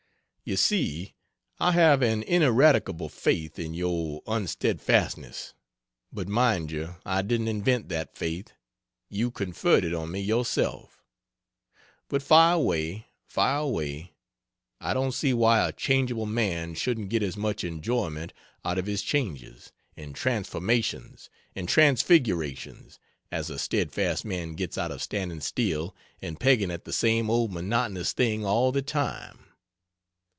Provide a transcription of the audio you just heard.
You see I have an ineradicable faith in your unsteadfastness, but mind you, I didn't invent that faith, you conferred it on me yourself. But fire away, fire away! I don't see why a changeable man shouldn't get as much enjoyment out of his changes, and transformations and transfigurations as a steadfast man gets out of standing still and pegging at the same old monotonous thing all the time.